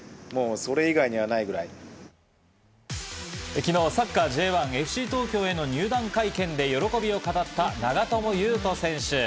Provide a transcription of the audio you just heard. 昨日サッカーＪ１・ＦＣ東京への入団会見で喜びを語った長友佑都選手。